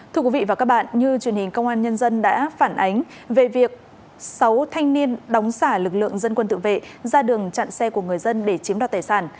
thưa quý vị và các bạn như truyền hình công an nhân dân đã phản ánh về việc sáu thanh niên đóng xả lực lượng dân quân tự vệ ra đường chặn xe của người dân để chiếm đoạt tài sản